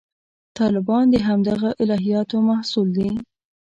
طالبان د همدغه الهیاتو محصول دي.